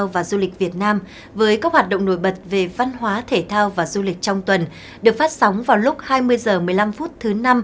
với các hoạt động nổi bật về văn hóa thể thao và du lịch trong tuần được phát sóng vào lúc hai mươi h một mươi năm thứ năm